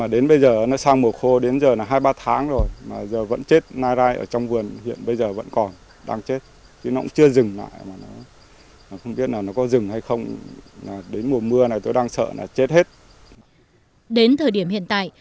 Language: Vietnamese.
đến thời điểm hiện tại